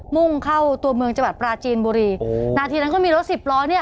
มุ่งเข้าตัวเมืองจังหวัดปราจีนบุรีนาทีนั้นก็มีรถสิบล้อเนี่ย